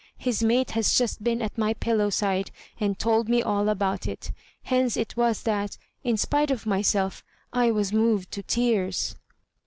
His mate has just been at my pillow side and told me all about it. Hence it was that, in spite of myself, I was moved to tears."